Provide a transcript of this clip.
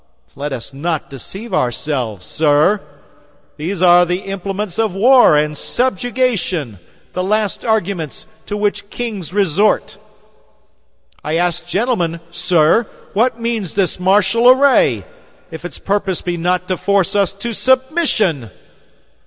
Let us not deceive ourselves, sir. These are the implements of war and subjugation; the last arguments to which kings resort. I ask gentlemen, sir, what means this martial array, if its purpose be not to force us to submission?